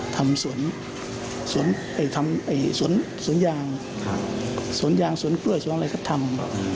ทำสวนยางสวนกล้วยสวนอะไรก็ทำ